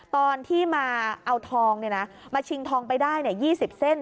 ตอนที่มาเอาทองมาชิงทองไปได้๒๐เส้น